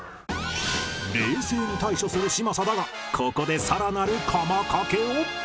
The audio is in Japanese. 冷静に対処する嶋佐だがここでさらなるカマ掛けを